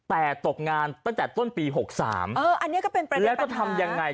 แต่ตกงานตั้งแต่ต้นปีหกสามเอออันนี้ก็เป็นประเด็นปัญหาแล้วต้องทำยังไง